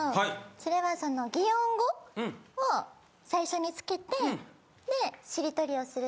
それは擬音語を最初につけてでしりとりをする。